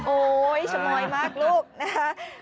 โอ๊ยชมอยมากลูกนะคะ